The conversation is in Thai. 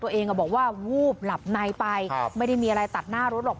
ตัวเองก็บอกว่าวูบหลับในไปไม่ได้มีอะไรตัดหน้ารถหรอก